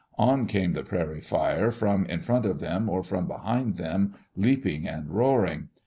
On came the prairie fire, from in front of them or from behind them, leaping and roaring.